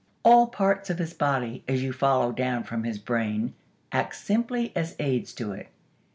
All parts of his body, as you follow down from his brain, act simply as aids to it.